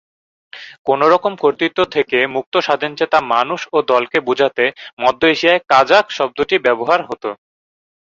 কোন রকম কর্তৃত্ব থেকে মুক্ত স্বাধীনচেতা মানুষ ও দলকে বুঝাতে মধ্য এশিয়ায় কাজাখ শব্দটি ব্যবহার হত।